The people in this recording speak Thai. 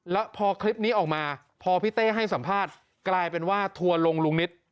แล้วพอคลิปนี้ออกมาพอพี่เต้ให้สัมภาษณ์กลายเป็นว่าทัวร์ลงลุงนิต